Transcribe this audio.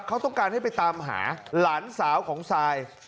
เขาต้องการให้ไปตามหาหลานสาวของซาย